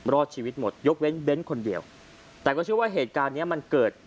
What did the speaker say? รอดชีวิตหมดยกเว้นเบ้นคนเดียวแต่ก็เชื่อว่าเหตุการณ์เนี้ยมันเกิด